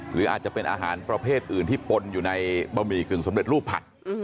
หรืออาจจะเป็นอาหารประเภทอื่นที่ปนอยู่ในบะหมี่กึ่งสำเร็จรูปผัด